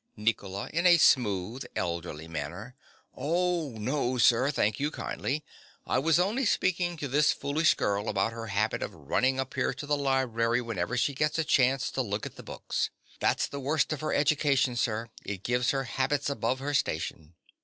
NICOLA. (in a smooth, elderly manner). Oh, no, sir, thank you kindly. I was only speaking to this foolish girl about her habit of running up here to the library whenever she gets a chance, to look at the books. That's the worst of her education, sir: it gives her habits above her station.